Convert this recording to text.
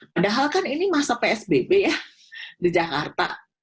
padahal kan ini masa psbb ya di jakarta